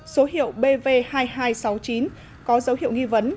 số hiệu bv hai nghìn hai trăm sáu mươi chín có dấu hiệu nghi vấn